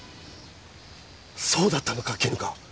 そうだったのか絹香？